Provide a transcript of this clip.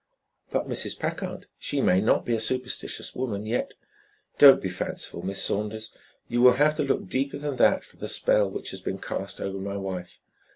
"But Mrs. Packard? She may not be a superstitious woman, yet " "Don't be fanciful, Miss Saunders. You will have to look deeper than that for the spell which has been cast over my wife.